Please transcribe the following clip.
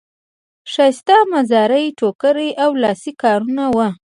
ښایسته مزري ټوکري او لاسي کارونه وو.